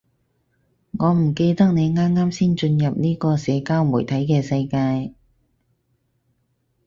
我唔記得你啱啱先進入呢個社交媒體嘅世界